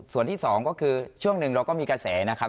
ส่วนที่๒ก็คือช่วงหนึ่งเราก็มีกระแสนะครับ